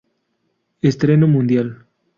Estreno mundial.